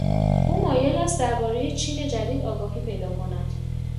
او مایل است دربارهٔ چین جدید آگاهی پیدا کند.